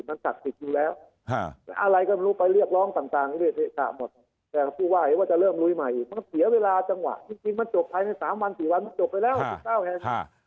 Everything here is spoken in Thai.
มันเสียเวลาจังหวะจริงมันจบภัยใน๓๔วันมันจบไปแล้ว๑๙แห่ง